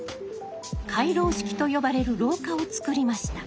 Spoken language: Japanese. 回廊式と呼ばれる廊下をつくりました。